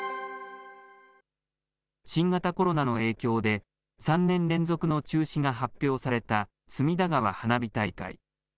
新型コロナの影響で、３年連続の中止が発表された隅田川花火大会。